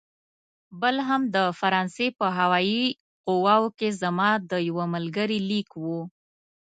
بل هم د فرانسې په هوايي قواوو کې زما د یوه ملګري لیک و.